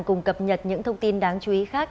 cùng cập nhật những thông tin đáng chú ý khác